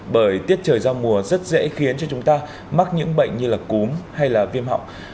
bởi tiết trời giao mùa rất dễ khiến cho chúng ta mắc những bệnh như là cúm hay là viêm họng